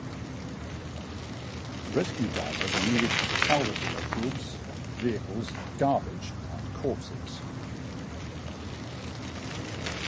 Rescue divers are needed for the salvaging of goods, vehicles, garbage, and corpses.